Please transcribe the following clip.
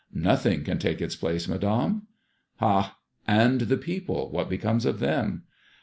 " Nothing can take its place, Madame." '' Ha 1 And the people ; what becomes of them